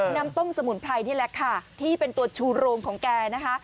น้ำต้มสมุนไพรนี่แหละค่ะที่เป็นตัวชูโรงของแกนะคะ